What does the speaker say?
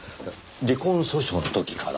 離婚訴訟の時から？